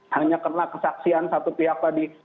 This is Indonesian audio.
hanya karena kesaksian satu pihak tadi